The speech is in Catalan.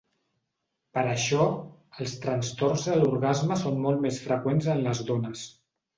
Per això, els trastorns de l'orgasme són molt més freqüents en les dones.